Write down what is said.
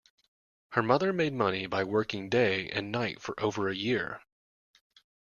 Her mother made money by working day and night for over a year